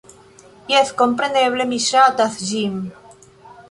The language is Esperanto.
"Jes, kompreneble, mi ŝatas ĝin!